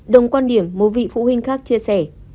đồng quan điểm một vị phụ huynh khác chia sẻ